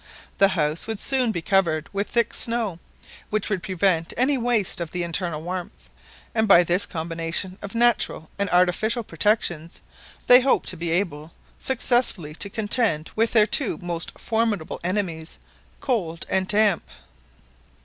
The house would soon be covered with thick snow, which would prevent any waste of the internal warmth, and by this combination of natural and artificial protections they hoped to be able successfully to contend with their two most formidable enemies, cold and damp.